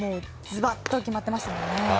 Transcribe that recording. ズバッと決まっていましたもんね。